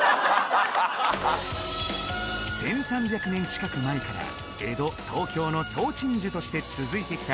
１３００年近く前から江戸東京の総鎮守として続いてきた